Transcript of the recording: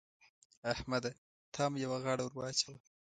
احمده! ته هم يوه غاړه ور واچوه.